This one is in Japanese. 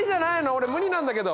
俺無理なんだけど。